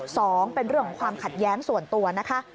สองเป็นเรื่องของความขัดแย้งส่วนตัวนะคะ